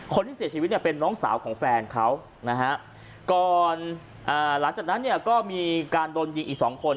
คนที่เสียชีวิตเป็นน้องสาวของแฟนเขาหลังจากนั้นก็มีการโดนยิงอีก๒คน